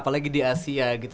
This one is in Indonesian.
apalagi di asia gitu